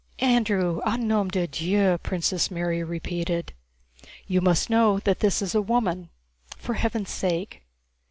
"Andrew, au nom de Dieu!" *(2) Princess Mary repeated. * "You must know that this is a woman." * (2) "For heaven's sake."